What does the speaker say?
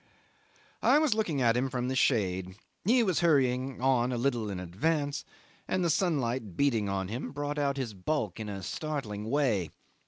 'I was looking at him from the shade. He was hurrying on a little in advance, and the sunlight beating on him brought out his bulk in a startling way.